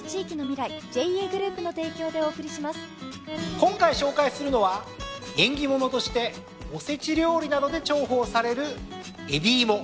今回紹介するのは縁起物としてお節料理などで重宝される海老芋。